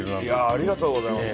ありがとうございます。